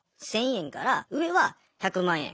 １，０００円から上は１００万円。